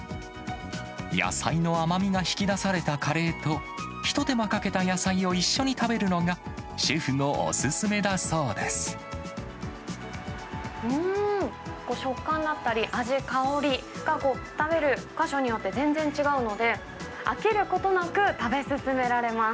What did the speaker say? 野菜の甘みが引き出されたカレーと、一手間かけた野菜を一緒に食べるのが、うーん、食感だったり、味、香りが、食べる箇所によって全然違うので、飽きることなく食べ進められます。